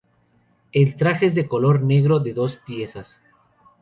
El traje es de color negro de dos piezas.